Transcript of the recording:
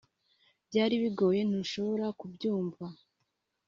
byari bigoye ntushobora kubyumva